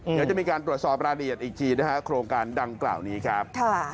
เดี๋ยวจะมีการตรวจสอบรายละเอียดอีกทีนะฮะโครงการดังกล่าวนี้ครับ